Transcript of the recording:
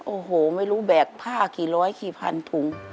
โอ้โหไม่รู้แบกผ้ากี่ร้อยกี่พันถุง